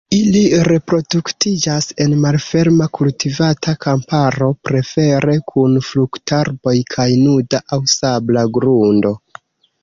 Ili reproduktiĝas en malferma kultivata kamparo, prefere kun fruktarboj kaj nuda aŭ sabla grundo.